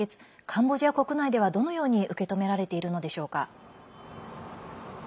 カンボジア国内ではどのように受け止められているのでしょうか。